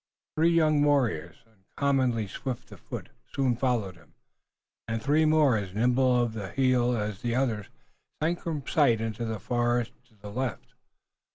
Three young warriors, uncommonly swift of foot, soon followed him, and three more as nimble of heel as the others, sank from sight in the forest to the left.